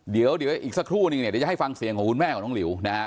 เดี๋ยวอีกสักครู่นึงเนี่ยเดี๋ยวจะให้ฟังเสียงของคุณแม่ของน้องหลิวนะฮะ